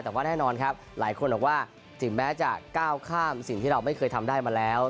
แต่ว่าแน่นอนครับหลายคนบอกว่าถึงแม้จะก้าวข้ามสิ่งที่เราไม่เคยทำได้มาแล้ว